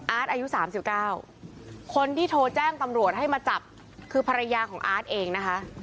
อายุ๓๙คนที่โทรแจ้งตำรวจให้มาจับคือภรรยาของอาร์ตเองนะคะ